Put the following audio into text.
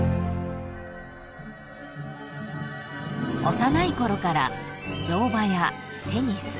［幼いころから乗馬やテニス。